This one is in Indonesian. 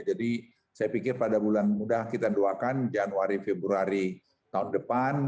jadi saya pikir pada bulan muda kita doakan januari februari tahun depan